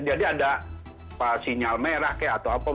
jadi ada sinyal merah kayak atau apa